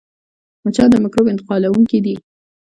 مچان د مکروب انتقالوونکي دي